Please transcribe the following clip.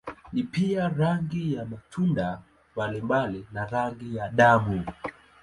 Ni pia rangi ya matunda mbalimbali na rangi ya damu.